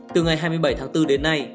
từ ngày hai mươi bảy tháng bốn đến nay